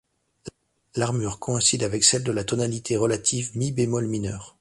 L'armure coïncide avec celle de la tonalité relative mi bémol mineur.